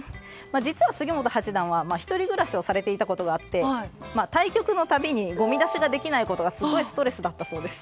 実は杉本八段は１人暮らしをされていたことがあって対局の度にごみ出しができないことがすごいストレスだったそうです。